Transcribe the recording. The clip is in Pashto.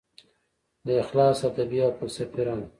د اخلاص ادبي او فلسفي رنګ